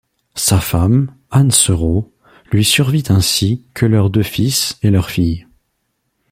Sa femme, Anne Serreaux, lui survit ainsi que leurs deux fils et leur fille.